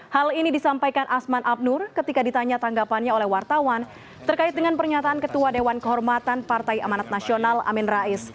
hal ini disampaikan asman abnur ketika ditanya tanggapannya oleh wartawan terkait dengan pernyataan ketua dewan kehormatan partai amanat nasional amin rais